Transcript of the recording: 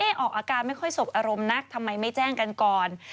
ออกอาการไม่ค่อยสบอารมณ์นักทำไมไม่แจ้งกันก่อน